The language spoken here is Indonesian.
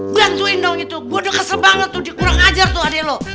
gantuin dong itu gue udah kesel banget tuh di kurang ajar tuh ade lo